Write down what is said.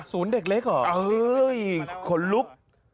ศูนย์เด็กเล็กเหรอเอ้ยขนลุก